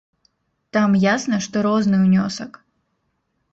Там ясна, што розны ўнёсак.